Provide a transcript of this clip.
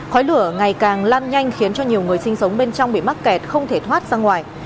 khói lửa ngày càng lan nhanh khiến cho nhiều người sinh sống bên trong bị mắc kẹt không thể thoát ra ngoài